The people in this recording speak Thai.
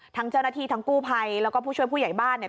ทั้งเจ้าหน้าที่ทั้งกู้ภัยแล้วก็ผู้ช่วยผู้ใหญ่บ้านเนี่ย